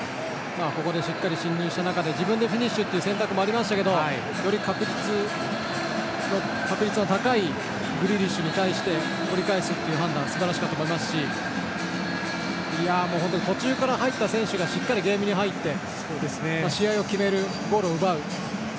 しっかり進入して自分でフィニッシュという選択もありましたがより確率の高いところに対しての判断もよかったと思いますし途中から入った選手がしっかりゲームに入って試合を決めるゴールを奪う。